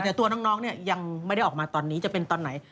แต่ตัวน้องเนี่ยยังไม่ได้ออกมาตอนนี้จะเป็นตอนไหน